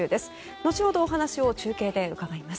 後ほどお話を中継で伺います。